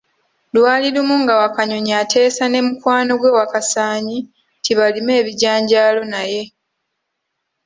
Lwali lumu nga Wakanyoni ateesa ne mukwano gwe Wakasaanyi nti balime ebijanjaalo naye.